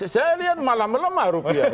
saya lihat malam malam mah rupiah